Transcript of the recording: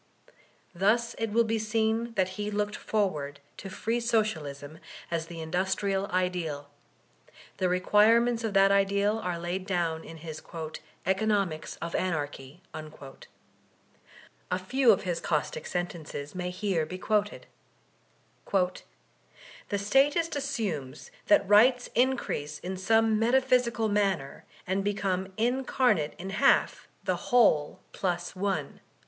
Thus it will be seen that he looked forward to free Socialism as the industrial ideal; the requirements of that ideal are laid down in his "Economics of Anarchy." A few of his caustic sentences may here be quoted: 'The Statist assumes that rights increase in some metq>hysical manner, and become incarnate in half the whole plus one."